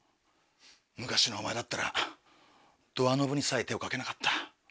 昔のお前だったらドアノブにさえ手を掛けなかった。